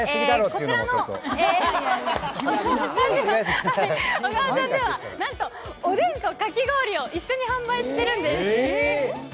こちらのおがわさんでは、なんとおでんとかき氷を一緒に販売しているんです。